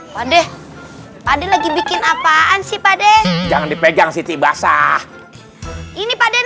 pade pade lagi bikin apaan sih pade jangan dipegang siti basah ini pada